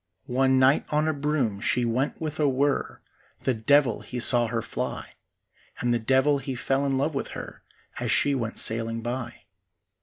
One night on a broom she went with a whirr; The devil he saw her fly, And the devil he fell in love with her As she went sailing by.